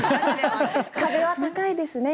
壁は高いですね。